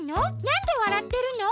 なんでわらってるの？